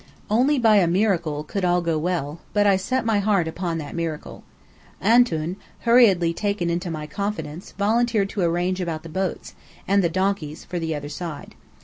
Only by a miracle could all go well; but I set my heart upon that miracle. "Antoun," hurriedly taken into my confidence, volunteered to arrange about the boats, and the donkeys for the other side.